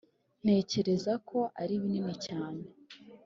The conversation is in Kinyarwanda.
ntekereza ko ari binini cyane.